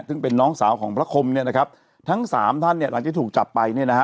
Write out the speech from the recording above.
ซึ่งเป็นน้องสาวของพระคมเนี่ยนะครับทั้งสามท่านเนี่ยหลังจากถูกจับไปเนี่ยนะฮะ